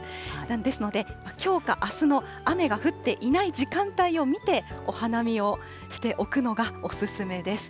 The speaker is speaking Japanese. ですので、きょうかあすの雨が降っていない時間帯を見て、お花見をしておくのがお勧めです。